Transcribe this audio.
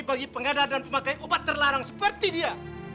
bagi pengedar dan pemakai obat terlarang seperti dia